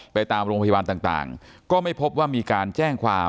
ไปตามโรงพยาบาลต่างก็ไม่พบว่ามีการแจ้งความ